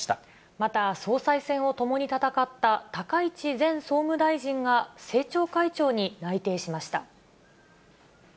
また、総裁選を共に戦った高市前総務大臣が、政調会長に内定しました。